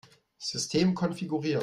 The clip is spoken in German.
System konfigurieren.